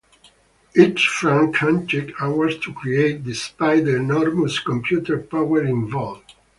Each frame can take hours to create, despite the enormous computer power involved.